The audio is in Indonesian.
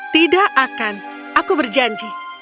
tidak akan aku berjanji